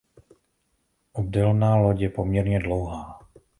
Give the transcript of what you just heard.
Obdélná loď je poměrně dlouhá.